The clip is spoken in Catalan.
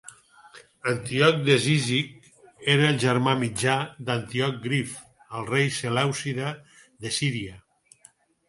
Antíoc de Cízic era el germà mitjà d'Antíoc Grif, el rei selèucida de Síria.